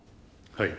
はい。